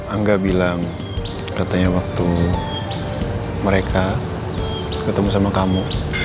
angga bilang katanya waktu mereka ketemu sama kamu